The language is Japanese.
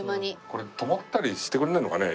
これ止まったりしてくれないのかね？